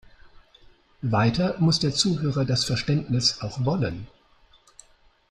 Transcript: Weiter muss der Zuhörer das Verständnis auch wollen.